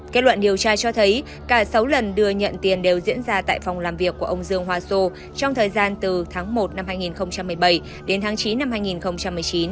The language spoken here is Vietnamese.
kết luận điều tra cho thấy cả sáu lần đưa nhận tiền đều diễn ra tại phòng làm việc của ông dương hoa sô trong thời gian từ tháng một năm hai nghìn một mươi bảy đến tháng chín năm hai nghìn một mươi chín